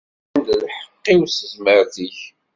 Sbeyyen-d lḥeqq-iw s tezmert-ik!